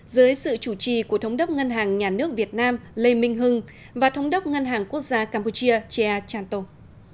dưới sự chủ trì của thống đốc ngân hàng nhà nước việt nam lê minh hưng và thống đốc ngân hàng quốc gia campuchia chea chan tung